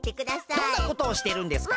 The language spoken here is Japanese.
どんなことをしてるんですか？